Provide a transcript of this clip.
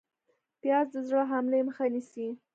پیاز د زړه حملې مخه نیسي